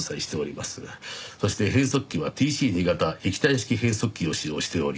そして変速機はＴＣ−２形液体式変速機を使用しており。